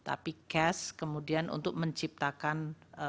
tapi cash kemudian untuk menciptakan perputaran in kind